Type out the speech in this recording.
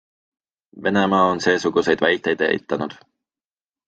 Venemaa on seesuguseid väiteid eitanud.